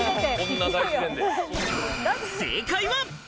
正解は。